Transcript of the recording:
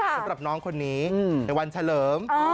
สำหรับน้องคนนี้ในวันเฉลิม